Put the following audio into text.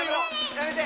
やめて！